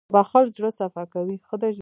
• بښل زړه صفا کوي.